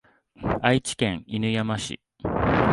愛知県犬山市